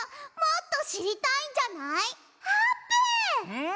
うん。